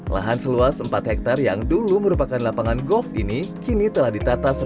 lahan seluas empat hektare yang dulu merupakan lapangan golf ini kini telah ditata sebagai paru paru kota